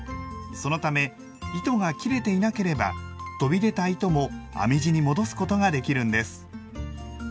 そのため糸が切れていなければ飛び出た糸も編み地に戻すことができるんです。